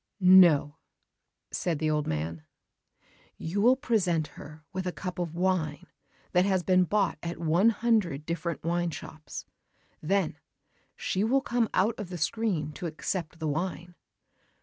"No," said the old man; "you will present her with a cup of wine that has been bought at one hundred different wine shops. Then she will come out of the screen to accept the wine.